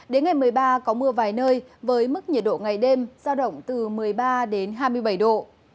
đến ngày một mươi ba có mưa vài nơi với mức nhiệt độ ngày đêm giao động từ một mươi ba đến hai mươi bảy độ